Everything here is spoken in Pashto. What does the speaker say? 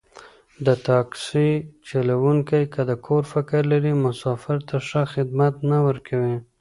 د تاکسي چلوونکی که د کور فکر لري، مسافر ته ښه خدمت نه ورکوي.